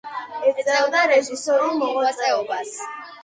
ეწეოდა რეჟისორულ მოღვაწეობას.